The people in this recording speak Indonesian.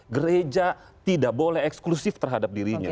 gereja tidak boleh eksklusif terhadap dirinya